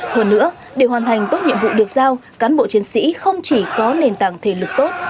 hơn nữa để hoàn thành tốt nhiệm vụ được giao cán bộ chiến sĩ không chỉ có nền tảng thể lực tốt